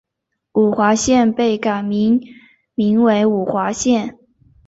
五华县被改名名为五华县。